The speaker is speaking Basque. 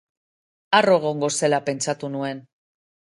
Harro egongo zela pentsatu nuen.